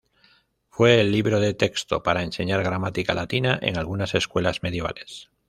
Fue el libro de texto para enseñar gramática latina en algunas escuelas medievales.